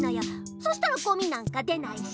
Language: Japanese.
そしたらゴミなんか出ないし。